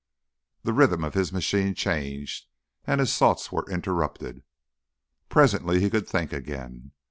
The rhythm of his machine changed, and his thoughts were interrupted. Presently he could think again.